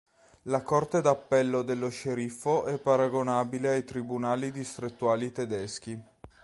La Corte d'appello dello sceriffo è paragonabile ai tribunali distrettuali tedeschi.